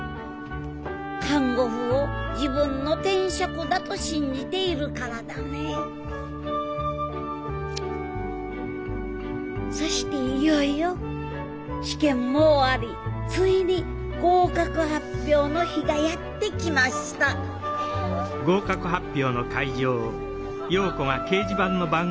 看護婦を自分の天職だと信じているからだねぇそしていよいよ試験も終わりついに合格発表の日がやってきましたあっ！